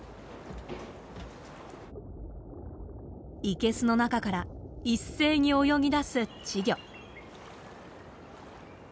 生けすの中から一斉に泳ぎだす稚魚。